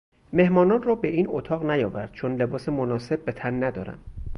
مهمانان را به این اتاق نیاور چون لباس مناسب به تن ندارم.